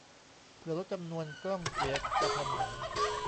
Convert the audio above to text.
เผื่อลดจำนวน "กล้องเสียกะทันหัน"